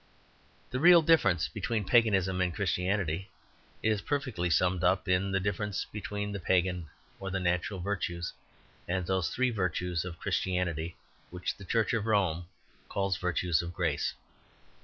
The real difference between Paganism and Christianity is perfectly summed up in the difference between the pagan, or natural, virtues, and those three virtues of Christianity which the Church of Rome calls virtues of grace.